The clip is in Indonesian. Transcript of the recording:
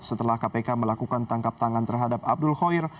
setelah kpk melakukan tangkap tangan terhadap abdul khoir